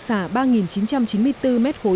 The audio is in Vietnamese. xà ba nghìn chín trăm chín mươi bốn m khối